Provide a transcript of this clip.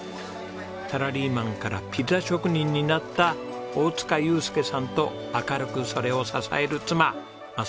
サラリーマンからピザ職人になった大塚祐介さんと明るくそれを支える妻昌美さんです。